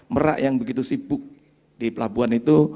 merak yang begitu sibuk di pelabuhan itu